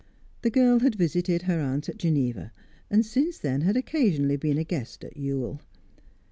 The girl had visited her aunt at Geneva, and since then had occasionally been a guest at Ewell.